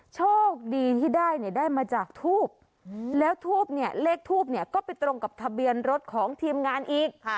โชคดีที่ได้เนี่ยได้มาจากทูบแล้วทูบเนี่ยเลขทูบเนี่ยก็ไปตรงกับทะเบียนรถของทีมงานอีก